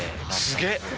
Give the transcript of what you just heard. すげえ！